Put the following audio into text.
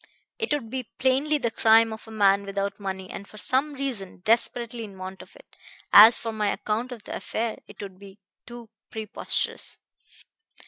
It would be plainly the crime of a man without money, and for some reason desperately in want of it. As for my account of the affair, it would be too preposterous.